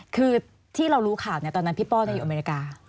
คือที่เรารู้ข่าวตอนนั้นพี่ป้อนอยู่อเมริกา